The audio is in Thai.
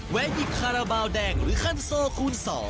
หยิบคาราบาลแดงหรือคันโซคูณ๒